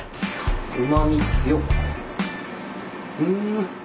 うまみ強っ！